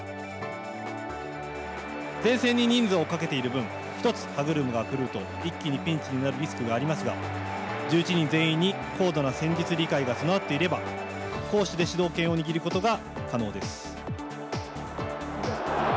前線に人数をかけている分一つ歯車が狂うと一気にピンチになるリスクがありますが１１人全員に高度な戦術理解が備わっていれば攻守で主導権を握ることが可能です。